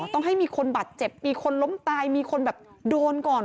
ต้องให้มีคนบาดเจ็บมีคนล้มตายมีคนแบบโดนก่อน